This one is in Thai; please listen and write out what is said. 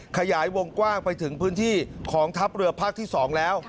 ขยายวงกว้างไปถึงพื้นที่ของทัพเรือภาคที่๒แล้ว